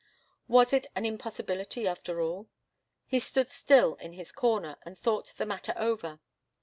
Was it an impossibility, after all? He stood still in his corner, and thought the matter over.